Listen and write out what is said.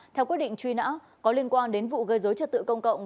theo quyết định truy nã có liên quan đến vụ gây dối trật tự công cộng